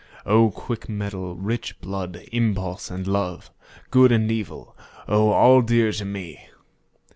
O quick mettle, rich blood, impulse, and love! Good and evil! O all dear to me!